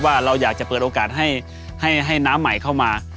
ว่าเราอยากจะเปิดโอกาสให้น้ำใหม่เข้ามา